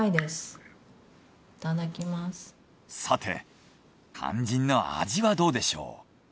さて肝心の味はどうでしょう？